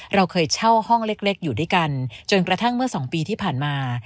เราเคยเช่าห้องเล็กอยู่ด้วยกันจนกระทั่งเมื่อ๒ปีที่ผ่านมา